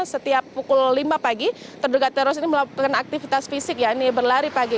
setiap pukul lima pagi terduga teroris ini melakukan aktivitas fisik ya ini berlari pagi